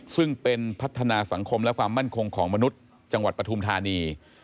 ซึ่งเป็นพัฒนาสังคมและความมั่นคงของมนุษย์จังหวัดปฐุมธานี